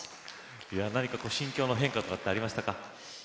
何か心境の変化などありましたか。